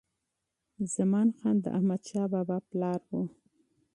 زمان خان د احمدشاه بابا پلار و.